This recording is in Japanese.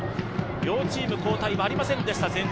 両チーム交代はありませんでした、前半。